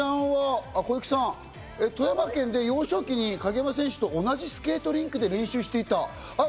まず浜崎小雪さんは富山県で幼少期に鍵山選手と同じスケートリンクで練習していた？